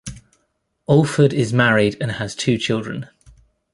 Alford is married and has two children.